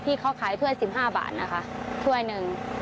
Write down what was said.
ที่เขาขายถ้วย๑๕บาทนะคะถ้วยหนึ่ง